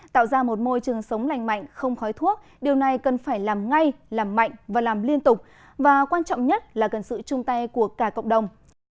tạo ra một môi trường sống lành mạnh không khói thuốc điều này cần phải làm ngay làm mạnh và làm liên tục và quan trọng nhất là cần sự chung tay của cả cộng đồng